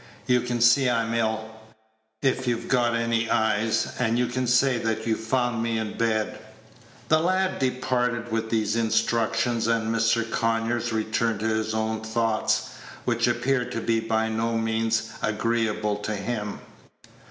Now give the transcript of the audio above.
"You can see I'm ill, it you've got any eyes, and you can say that you found me in bed." The lad departed with these instructions, and Mr. Conyers returned to his own thoughts, which appeared to be by no means agreeable to him.